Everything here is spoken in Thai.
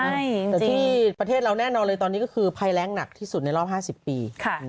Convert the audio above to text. แต่ที่ประเทศเราแน่นอนเลยตอนนี้ก็คือภัยแรงหนักที่สุดในรอบ๕๐ปี